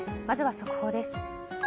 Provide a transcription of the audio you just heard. まずは速報です。